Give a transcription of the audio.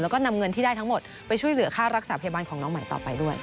แล้วก็นำเงินที่ได้ทั้งหมดไปช่วยเหลือค่ารักษาพยาบาลของน้องใหม่ต่อไปด้วย